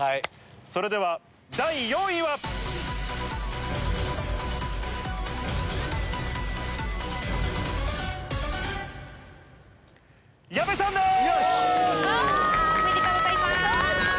それでは第４位は⁉よし！おめでとうございます。